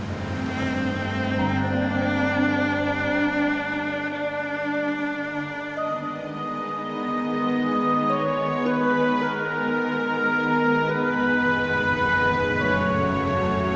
terima kasih om